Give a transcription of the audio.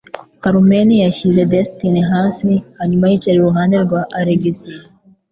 Carmen yashyize Destiny hasi hanyuma yicara iruhande rwa Alex.